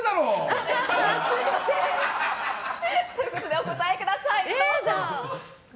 すみません！ということでお答えください。